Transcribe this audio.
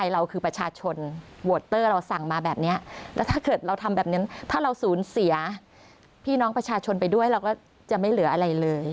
แล้วถ้าเกิดเราทำแบบนั้นถ้าเราสูญเสียพี่น้องประชาชนไปด้วยเราก็จะไม่เหลืออะไรเลย